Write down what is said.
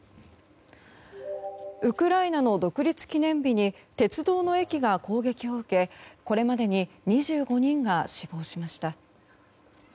ウクライナの独立記念日に鉄道の駅が攻撃を受けこれまでに２５人が死亡しました。